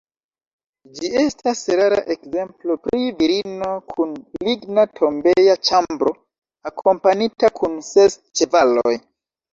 Ĝi estas rara ekzemplo pri virino kun ligna tombeja ĉambro, akompanita kun ses ĉevaloj.